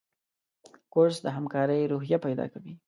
کورس د همکارۍ روحیه پیدا کوي.